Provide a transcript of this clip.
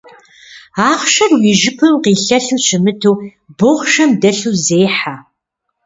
Ахъшэр уи жыпым къилъэлъу щымыту, бохъшэм дэлъу зехьэ.